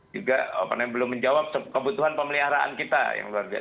juga belum menjawab kebutuhan pemeliharaan kita yang luar biasa